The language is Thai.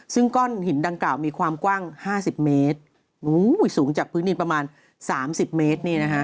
ซึ่งก้อนหินดังกล่าวมีความกว้าง๕๐เมตรสูงจากพื้นดินประมาณสามสิบเมตรนี่นะฮะ